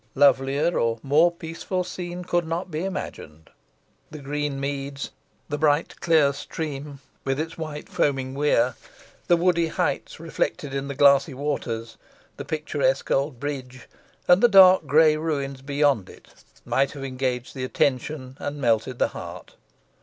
Lovelier or more peaceful scene could not be imagined. The green meads, the bright clear stream, with its white foaming weir, the woody heights reflected in the glassy waters, the picturesque old bridge, and the dark grey ruins beyond it, all might have engaged the attention and melted the heart.